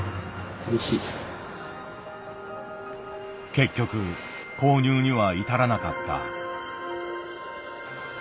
結局購入には至らなかった。